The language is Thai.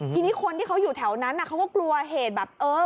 ทีนี้คนที่เขาอยู่แถวนั้นเขาก็กลัวเหตุแบบเออ